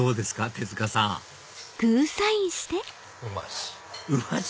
手塚さんうまし。